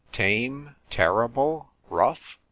Tame? Terrible? Rough?